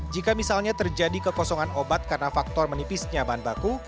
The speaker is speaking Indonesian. jika misalnya terjadi kekosongan obat karena faktor menipisnya bahan baku